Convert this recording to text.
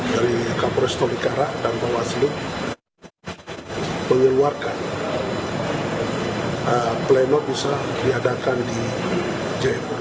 dari kabupaten tolikara dan bawah seluka mengeluarkan pleno bisa diadakan di jaya